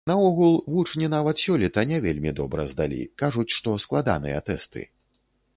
Наогул, вучні нават сёлета не вельмі добра здалі, кажуць, што складаныя тэсты.